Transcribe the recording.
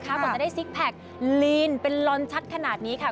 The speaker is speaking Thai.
กว่าจะได้ซิกแพคลีนเป็นลอนชัดขนาดนี้ค่ะ